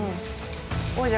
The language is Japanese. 王者